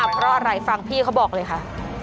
เพราะอะไรฟังพี่เขาบอกเลยค่ะ